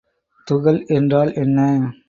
துகள் என்றால் என்ன?